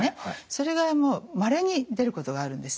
それがまれに出ることがあるんですね。